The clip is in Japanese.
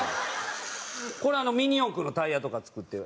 これミニ四駆のタイヤとか使って。